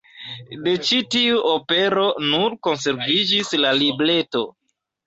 De ĉi tiu opero nur konserviĝis la libreto.